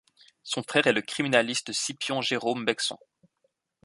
Son frère est le criminaliste Scipion Jérôme Bexon.